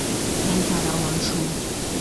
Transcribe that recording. هند ته روان شو.